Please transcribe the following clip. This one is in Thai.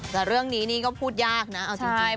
แต่เรื่องนี้นี่ก็พูดยากนะเอาจริงให้